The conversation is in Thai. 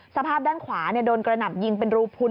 สภาพด้านขวาโดนกระหน่ำยิงเป็นรูพุน